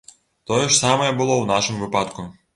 Тое ж самае было ў нашым выпадку.